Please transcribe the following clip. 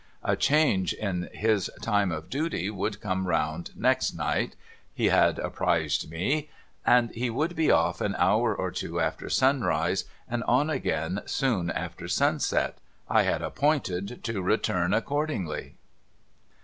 A change in his time of duty would come round next night, he had apprised me, and he would be off an hour or two after sunrise, and on again soon after sunset. I had appointed to return accordingly.